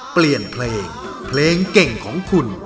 เปลี่ยนเพลงเพลงเก่งของคุณ